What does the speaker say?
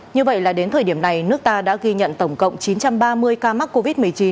như vậy là đến thời điểm này nước ta đã ghi nhận tổng cộng chín trăm ba mươi ca mắc covid một mươi chín